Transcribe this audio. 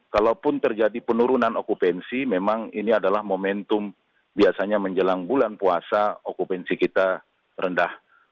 kalaupun terjadi penurunan okupansi memang ini adalah momentum biasanya menjelang bulan puasa okupansi kita rendah